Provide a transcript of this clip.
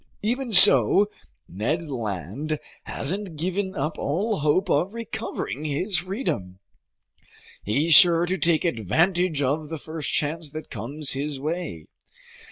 Even so, Ned Land hasn't given up all hope of recovering his freedom. He's sure to take advantage of the first chance that comes his way.